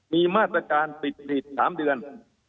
มีมาตรการปิดกรีดสามเดือน